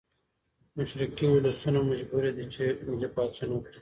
مشرقي ولسونه مجبوري دي چې ملي پاڅون وکړي.